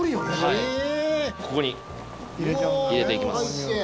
はいここに入れていきます